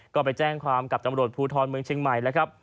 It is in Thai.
ก็ไปแจ้งความกับตำรวจภูทรเมืองเชียงใหม่แล้วครับ